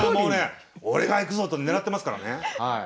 俺がいくぞ！とねらってますからね。